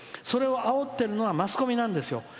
それをあおってるのはマスコミなんですよ。